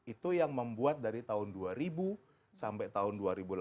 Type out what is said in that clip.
itu yang membuat dari tahun dua ribu sampai tahun dua ribu delapan belas